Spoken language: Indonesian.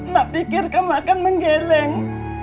nak pikir kamu akan menggeleng